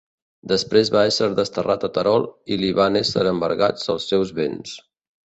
Després va esser desterrat a Terol i li varen esser embargats els seus béns.